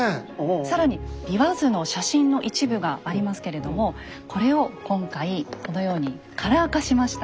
更に「枇杷図」の写真の一部がありますけれどもこれを今回このようにカラー化しました。